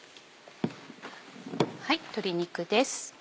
鶏肉です。